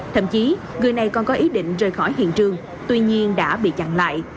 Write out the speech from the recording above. thậm chí người này còn có ý định rời khỏi hiện trường tuy nhiên đã bị chặn lại